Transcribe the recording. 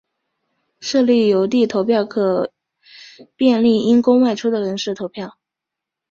设立邮递投票则可便利因公外出的人士投票。